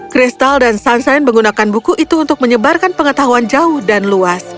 kristal dan sunsain menggunakan buku itu untuk menyebarkan pengetahuan jauh dan luas